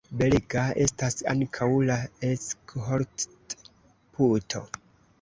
Belega estas ankaŭ la Eckholdt-puto.